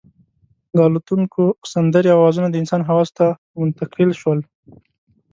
د الوتونکو سندرې او اوازونه د انسان حواسو ته منتقل شول.